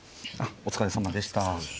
お疲れさまでした。